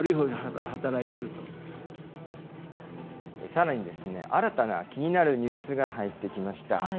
さらにですね、新たな気になるニュースが入ってきました。